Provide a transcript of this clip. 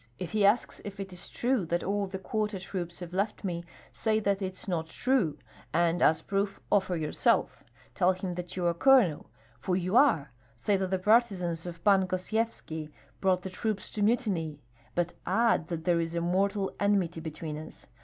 If he asks if it is true that all the quota troops have left me, say that 'tis not true; and as proof offer yourself. Tell him that you are colonel; for you are. Say that the partisans of Pan Gosyevski brought the troops to mutiny, but add that there is a mortal enmity between us.